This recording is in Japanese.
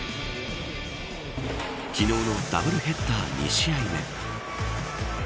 昨日のダブルヘッダー２試合目。